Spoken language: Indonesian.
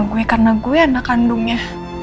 hati gue ke mama gue karena gue anak kandungnya